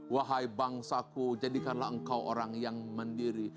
wahai bangsaku jadikanlah engkau orang yang mandiri